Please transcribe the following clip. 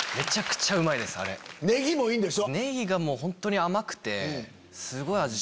ネギもいいんでしょ？